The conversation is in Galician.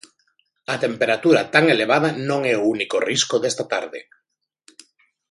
A temperatura tan elevada non é o único risco desta tarde.